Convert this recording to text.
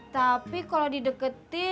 tapi kalau di deket